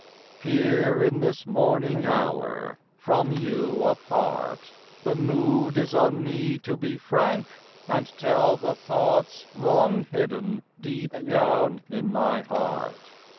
Here in this morning hour, from you apart, The mood is on me to be frank and tell The thoughts long hidden deep down in my heart.